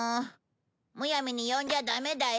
むやみに呼んじゃダメだよ？